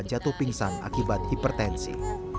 jatuh pingsan akibat hipertensi